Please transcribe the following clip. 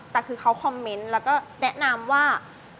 แต่คือเขาคอมเมนต์แล้วก็แนะนำว่า